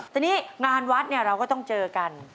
ทีนี้งานวัดเราก็ต้องเจอกัน